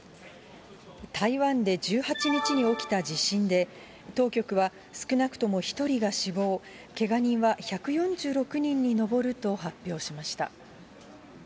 台湾で１８日に起きた地震で、当局は少なくとも１人が死亡、けが人は１４６人に上ると発表しました。